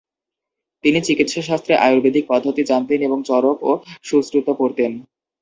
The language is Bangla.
তিনি চিকিৎসাশাস্ত্রে আয়ুর্বেদিক পদ্ধতি জানতেন এবং চড়ক এবং সুশ্রুত পড়তেন।